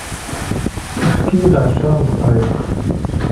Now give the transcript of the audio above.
Efk-iyi-d ɛecṛa n ddqayeq.